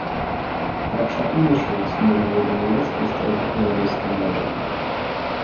Апрача ідыша, ён свабодна валодаў нямецкай і старажытнаяўрэйскай мовамі.